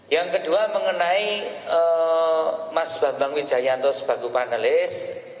yang kedua mengenai mas bambang wijayanto sebagai panelis